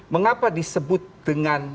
mengapa disebut dengan